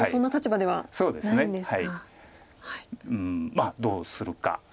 まあどうするか。